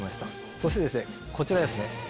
そしてこちらですね。